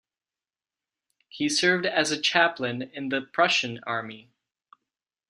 He served as a chaplain in the Prussian army.